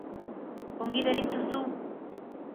Ongi deritzozu?